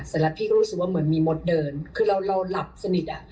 เสร็จแล้วพี่ก็รู้สึกว่าเหมือนมีมดเดินคือเราเราหลับสนิทอ่ะ